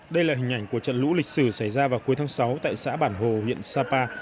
đây là hình ảnh của trận lũ lịch sử xảy ra vào cuối tháng sáu tại xã bản hồ huyện sapa